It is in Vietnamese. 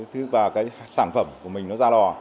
thứ ba cái sản phẩm của mình nó ra lò